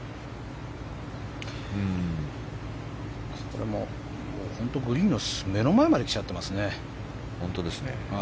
これも本当グリーンの目の前まで来ちゃってますね。